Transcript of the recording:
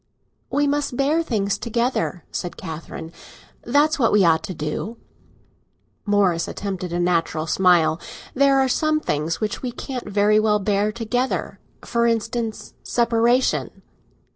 "We must bear things together," said Catherine. "That's what we ought to do." Morris attempted a natural smile. "There are some things which we can't very well bear together—for instance, separation."